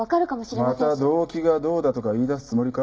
また動機がどうだとか言い出すつもりか？